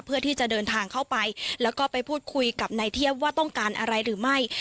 เพื่อที่จะเดินทางเข้าไปแล้วก็ไปพูดคุยกับนายเทียบว่าต้องการอะไรหรือไม่